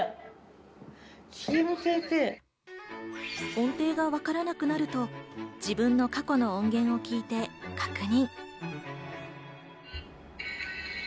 音程がわからなくなると、自分の過去の音源を聴いて確認。